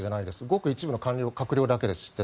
ごく一部の官僚だけです。